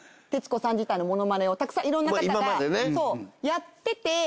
徹子さん自体のものまねをたくさんいろんな方がやってて。